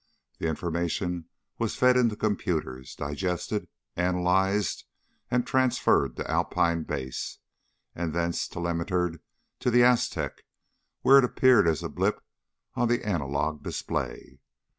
The information was fed into computers, digested, analyzed and transferred to Alpine Base, and thence telemetered to the Aztec where it appeared as a pip on the analog display.